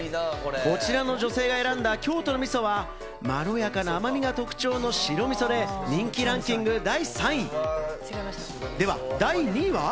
こちらの女性が選んだ京都のみそは、まろやかな甘みが特徴の白みそで、人気ランキング第３位。では第２位は？